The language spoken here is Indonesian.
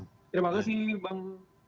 terima kasih bang